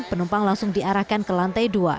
penumpang langsung diarahkan ke lantai dua